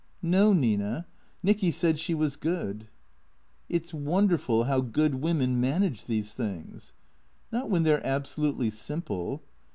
" No, Nina. Nicky said she was good." " It 's wonderful how good women manage these things." " Not when they 're absolutely simple."